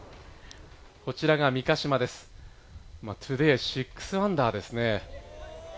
こちらが三ヶ島ですトゥデイ６アンダーです。